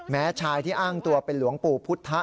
ชายที่อ้างตัวเป็นหลวงปู่พุทธะ